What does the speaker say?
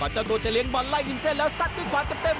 เจ้าตัวจะเลี้ยบอลไล่ริมเส้นแล้วซัดด้วยขวาเต็ม